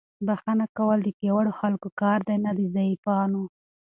بښنه کول د پیاوړو خلکو کار دی، نه د ضعیفانو.